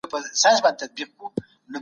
په لوړ اواز خبرې مه کوئ.